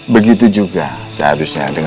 begitu juga seharusnya dengan bernafas